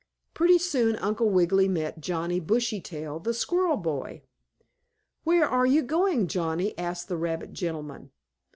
Pretty soon Uncle Wiggily met Johnnie Bushytail, the squirrel boy. "Where are you going, Johnnie?" asked the rabbit gentleman.